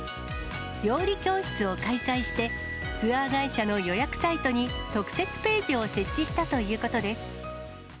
料理教室を開催して、ツアー会社の予約サイトに特設ページを設置したということです。